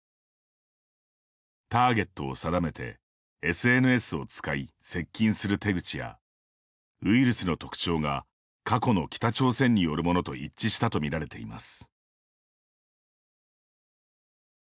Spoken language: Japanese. ターゲットを定めてＳＮＳを使い接近する手口やウイルスの特徴が過去の北朝鮮によるものと一致したと見られています。